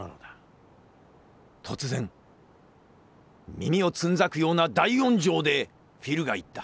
突然耳をつんざくような大音声でフィルが言った。